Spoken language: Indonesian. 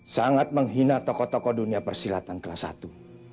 sangat menghina tokoh tokoh dunia persilatan kelas satu